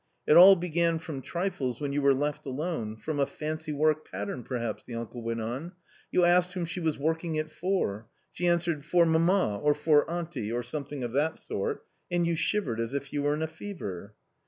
" It all began from trifles when you were left alone, from a fancy work pattern perhaps," the uncle went on ;" you asked whom she was working it for. She answered, ' For mamma or for auntie,' or something of that sort, and you shivered as if you were in a fever."